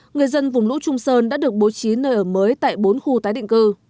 người dân vùng lũ trung sơn đã được bố trí nơi ở mới tại bốn khu tái định cư